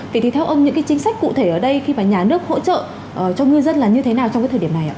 vậy thì theo ông những cái chính sách cụ thể ở đây khi mà nhà nước hỗ trợ cho ngư dân là như thế nào trong cái thời điểm này ạ